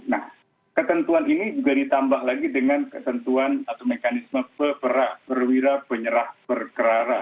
nah ketentuan ini juga ditambah lagi dengan ketentuan atau mekanisme perwira penyerah berkerara